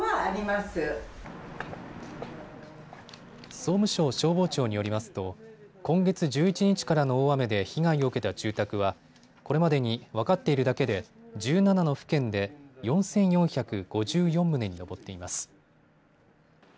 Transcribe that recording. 総務省消防庁によりますと今月１１日からの大雨で被害を受けた住宅はこれまでに分かっているだけで１７の府県で４４５４棟に上っています。